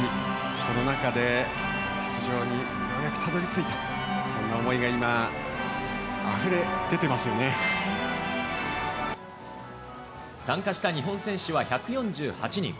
その中で、出場にようやくたどりついた、そんな思いが今、あふれ出てます参加した日本選手は１４８人。